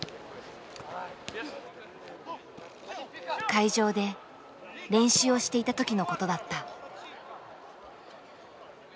会場で練習をしていた時のことだった。